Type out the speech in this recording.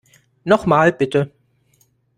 Noch mal, bitte.